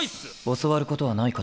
教わることはないかと。